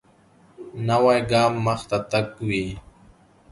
نوی ګام مخته تګ وي